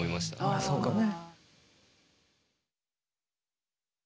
ああそうかも。